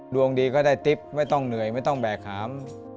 ดวงดีก็ได้ติ๊บไม่ต้องเหนื่อยไม่ต้องแบกหาม